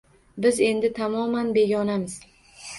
Biz endi tamoman begonamiz